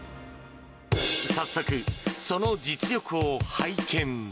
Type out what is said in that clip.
早速、その実力を拝見。